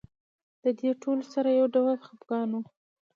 د دې ټولو سره یو ډول خپګان و.